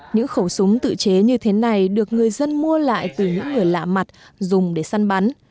những khẩu súng tự chế như thế này được người dân mua lại từ những người lạ mặt dùng để săn bắn